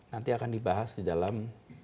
nanti akan dibahas di dalam